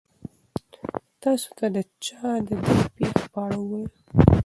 تاسو ته چا د دې پېښو په اړه وویل؟